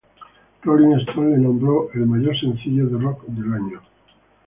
Rolling Stone la nombró "El mayor sencillo de Rock del año".